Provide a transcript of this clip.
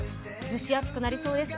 蒸し暑くなりそうです。